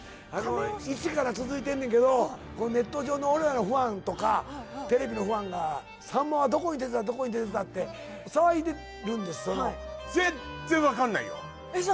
１から続いてんねんけどネット上の俺らのファンとかテレビのファンがさんまはどこに出てたどこに出てたって騒いでるんです全然分かんないよじゃ